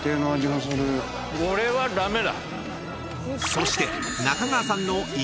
［そして］